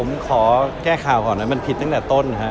ผมขอแก้ข่าวก่อนนะมันผิดตั้งแต่ต้นฮะ